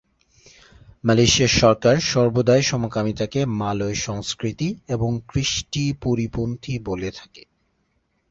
মালয়েশিয়ার সরকার সর্বদাই সমকামিতাকে মালয় সংস্কৃতি এবং কৃষ্টি পরিপন্থী বলে থাকে।